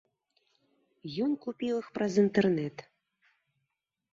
Ён купіў іх праз інтэрнэт.